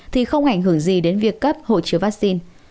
thì không ảnh hưởng gì đến việc cấp hộ chiếu vaccine